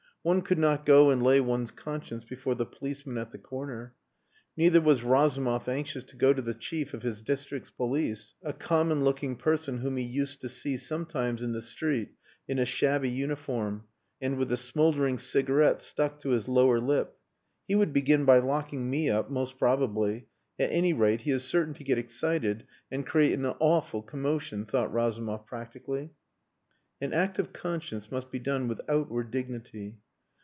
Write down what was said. One could not go and lay one's conscience before the policeman at the corner. Neither was Razumov anxious to go to the chief of his district's police a common looking person whom he used to see sometimes in the street in a shabby uniform and with a smouldering cigarette stuck to his lower lip. "He would begin by locking me up most probably. At any rate, he is certain to get excited and create an awful commotion," thought Razumov practically. An act of conscience must be done with outward dignity.